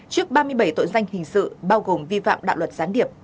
trước ba mươi bảy tội danh hình sự bao gồm vi phạm đạo luật gián điệp